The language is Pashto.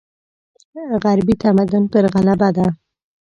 غربي تمدن پر غلبه ده.